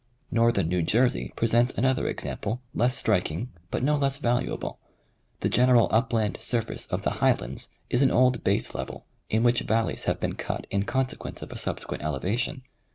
Northern New Jersey pi esents another example less striking but no less valuable : the general upland surface of the Highlands is an old base level, in which valleys have been cut in consequence of a subsequent elevation.